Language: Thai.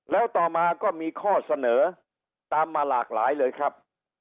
แล้วต่อมาก็มีข้อเสนอตามมาหลากหลายเลยครับ